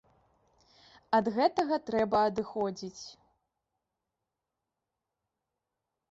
Ад гэтага трэба адыходзіць.